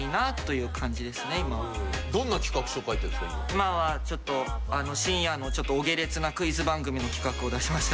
今はちょっと深夜のお下劣なクイズ番組の企画を出しました。